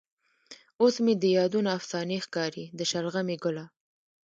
اوس د یادونه افسانې ښکاري. د شلغمې ګله